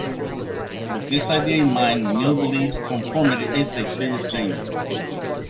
With this idea in mind, Mill believes conformity is a serious danger.